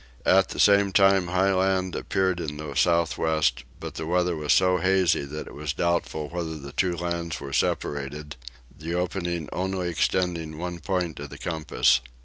At the same time high land appeared in the south west; but the weather was so hazy that it was doubtful whether the two lands were separated, the opening only extending one point of the compass.